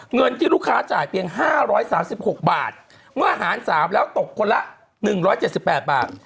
เงินที่ลูกค้าจ่ายเพียง๕๓๖บาทเมื่อหาร๓แล้วตกคนละ๑๗๘บาท